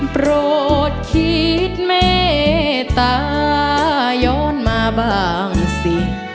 โปรดคิดแม่ตาย้อนมาบ้างสิ